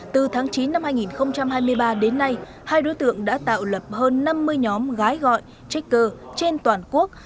từ tháng chín năm hai nghìn hai mươi ba đến nay hai đối tượng đã tạo lập hơn năm mươi nhóm gái gọi trích cơ trên toàn quốc